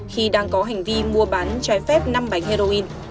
khi đang có hành vi mua bán trái phép năm bánh heroin